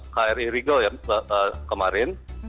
dari kri rigo ya kemarin